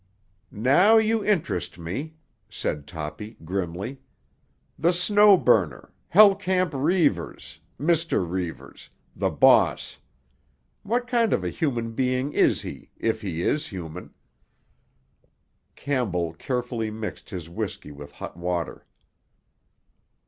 "Now you interest me," said Toppy grimly. "The Snow Burner—Hell Camp Reivers—Mr. Reivers—the boss. What kind of a human being is he, if he is human?" Campbell carefully mixed his whisky with hot water.